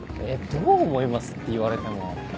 「どう思います？」って言われても。